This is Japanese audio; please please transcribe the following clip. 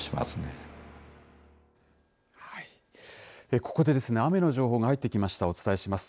ここでですね、雨の情報が入ってきました、お伝えします。